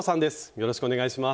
よろしくお願いします。